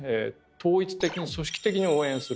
統一的に組織的に応援する。